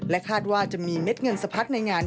คาดว่าจะมีเม็ดเงินสะพัดในงาน